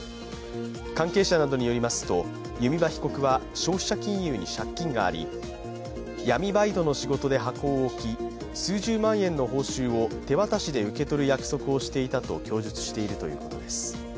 関係者などによりますと、弓場被告は消費者金融に借金があり、闇バイトの仕事で箱を置き、数十万円の報酬を手渡しで受け取る約束をしていたと供述しているということです。